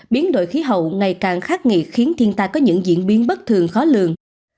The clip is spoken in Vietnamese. biến đổi khí hậu ngày càng khắc nghiệt khiến thiên tai có những diễn biến bất thường khó lường